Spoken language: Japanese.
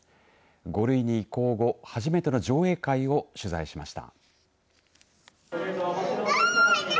５類に移行後初めての上映会を取材しました。